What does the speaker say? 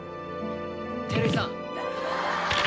・照井さん。